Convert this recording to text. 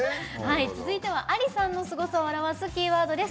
はい続いてはＡＬＩさんのすごさを表すキーワードです。